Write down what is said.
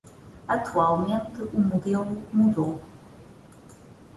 Atualmente, o modelo mudou.